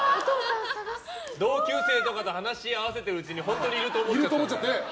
同級生とかと話し合わせてるうちに本当にいると思っちゃった。